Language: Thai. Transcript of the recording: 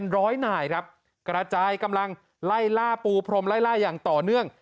ร้อยหน่ายครับกระจายกำลังไล่ล่าปูพรมไล่ล่าอย่างต่อเนื่อง